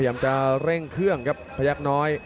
หมดยกที่สองครับ